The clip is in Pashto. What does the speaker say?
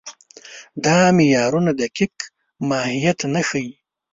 دا معیارونه دقیق ماهیت نه ښيي.